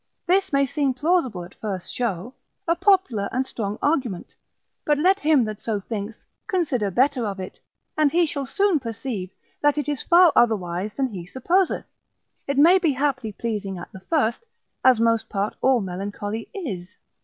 This may seem plausible at first show, a popular and strong argument; but let him that so thinks, consider better of it, and he shall soon perceive, that it is far otherwise than he supposeth; it may be haply pleasing at the first, as most part all melancholy is.